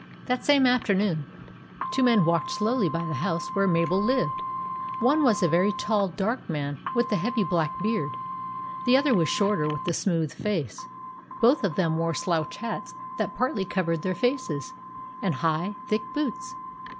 That same afternoon two men walked slowly by the house where Mabel lived. One was a very tall, dark man with a heavy black beard. The other was shorter with a smooth face. Both of them wore slouch hats that partly covered their faces, and high, thick boots.